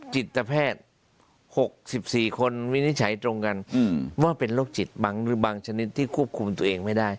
จิตแพทย์๖๔คนวินิจฉัยตรงกันว่าเป็นโรคจิตบางหรือบางชนิดที่ควบคุมตัวเองไม่ได้